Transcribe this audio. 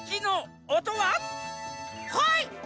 はい！